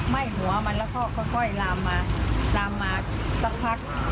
ไหม้หัวมันแล้วก็ค่อยลามมาลามมาสักพัก